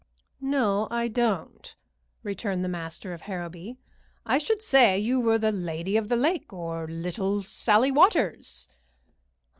"No, I don't," returned the master of Harrowby. "I should say you were the Lady of the Lake, or Little Sallie Waters."